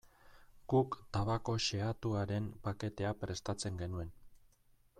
Guk tabako xehatuaren paketea prestatzen genuen.